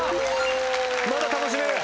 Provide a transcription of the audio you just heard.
まだ楽しめる！